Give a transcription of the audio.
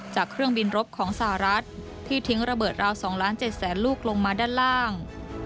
เครื่องบินรบของสหรัฐที่ทิ้งระเบิดราว๒ล้าน๗แสนลูกลงมาด้านล่าง